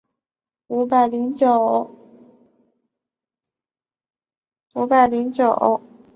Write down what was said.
太平兴国三年升涟水县置。